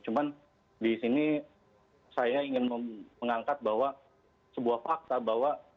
cuman di sini saya ingin mengangkat bahwa sebuah fakta bahwa